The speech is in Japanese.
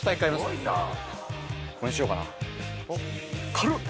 軽っ。